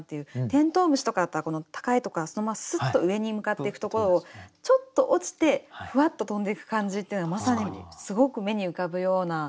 テントウムシとかだったら高いとこからそのままスッと上に向かっていくところをちょっと落ちてふわっと飛んでいく感じっていうのはまさにすごく目に浮かぶような。